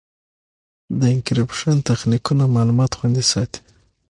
د انکریپشن تخنیکونه معلومات خوندي ساتي.